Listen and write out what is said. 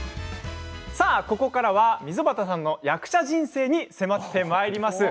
ここからは溝端さんの役者人生に迫ってまいります。